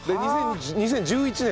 ２０１１年